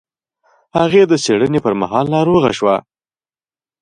هغې د څېړنې پر مهال ناروغه شوه.